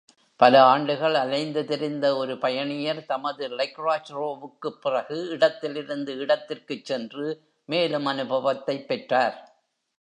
பல ஆண்டுகள் அலைந்து திரிந்த ஒரு பயணியர் தனது லெக்ராஜ்ரேவுக்குப் பிறகு இடத்திலிருந்து இடத்திற்குச் சென்று, மேலும் அனுபவத்தைப் பெற்றார்.